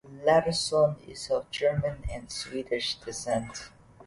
Larson is of German and Swedish descent.